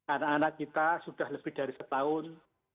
anak anak kita sudah lebih dari setahun